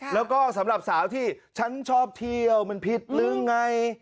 แล้วก็สำหรับสาวที่ฉันชอบเที่ยวมันผิดหรือไง